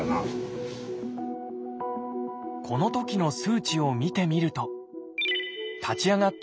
このときの数値を見てみると立ち上がった